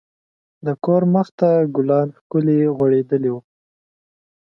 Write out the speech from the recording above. د کور مخ ته ګلان ښکلي غوړیدلي وو.